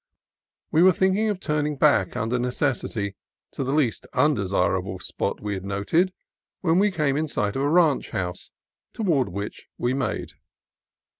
We were thinking of turning back under necessity to the least undesirable spot we had noted when we came in sight of a ranch house, toward which we made.